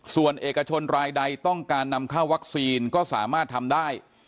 ส่วนเอกชนรายใดต้องการนำเข้าวัคซีนก็สามารถทำได้